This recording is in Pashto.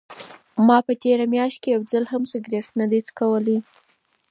ما په تېره میاشت کې یو ځل هم سګرټ نه دی څښلی.